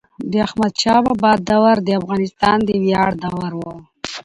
د احمد شاه بابا دور د افغانانو د ویاړ دور و.